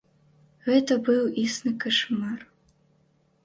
Гэта быў існы кашмар.